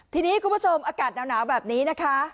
ทีนี้คุณผู้ชมอากาศหนาวแบบนี้นะคะ